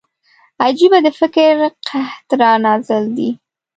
عجيبه د فکر قحط را نازل دی